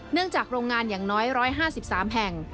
จากโรงงานอย่างน้อย๑๕๓แห่ง